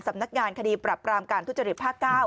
สำนักงานคดีปรับปรามการทุจริตภาค๙